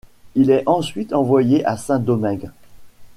Il est ensuite envoyé à Saint-Domingue.